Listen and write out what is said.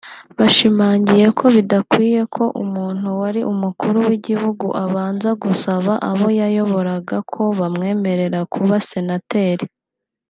bashimangiye ko bidakwiye ko umuntu wari Umukuru w’ Igihugu abanza gusaba abo yayoboraga ko bamwemerera kuba Senateri